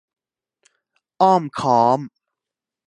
อ้อมค้อม